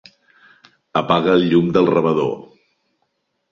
Apaga el llum del rebedor.